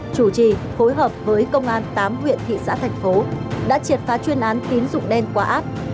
chủ trì khối hợp với công an tám huyện thị xã thành phố đã triệt phá chuyên án tín dụng đen quá áp